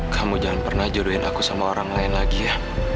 kamu jangan pernah jodohin aku sama orang lain lagi ya